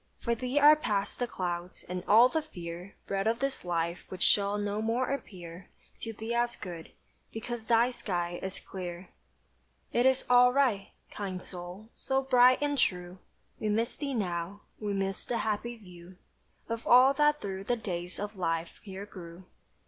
For thee are past the clouds, and all the fear Bred of this life which shall no more appear To thee as good; because thy sky is clear. "It is all right." Kind soul, so bright and true, We miss thee now, we miss the happy view Of all that through the days of life here grew.